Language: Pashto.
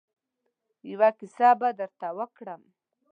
يوه کيسه به درته وکړم.